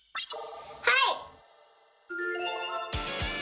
はい！